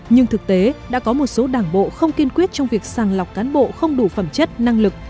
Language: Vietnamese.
nhưng thực tế đã có một số đảng bộ không kiên quyết trong việc sàng lọc cán bộ không đủ phẩm chất năng lực